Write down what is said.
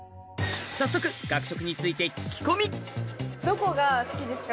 早速学食についてどこが好きですか？